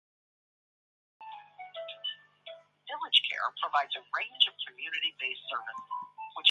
The present Nanjing City Wall was built in Ming dynasty.